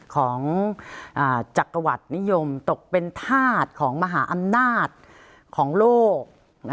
ของจักรวรรดินิยมตกเป็นธาตุของมหาอำนาจของโลก